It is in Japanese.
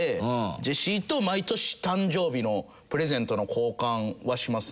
ジェシーと毎年誕生日のプレゼントの交換はしますね。